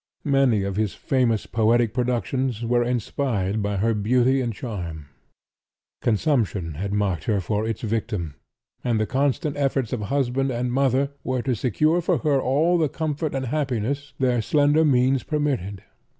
Many of his famous poetic productions were inspired by her beauty and charm. Consumption had marked her for its victim, and the constant efforts of husband and mother were to secure for her all the comfort and happiness their slender means permitted.